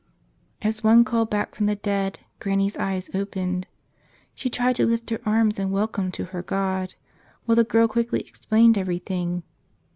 As one called back from the dead, Granny's eyes opened. She tried to lift her arms in welcome to her God while the girl quickly explained everything.